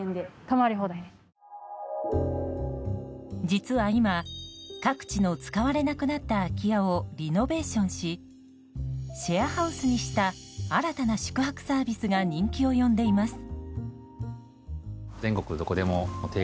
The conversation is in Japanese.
実は今各地の使われなくなった空き家をリノベーションしシェアハウスにした新たな宿泊サービスが人気を呼んでいます。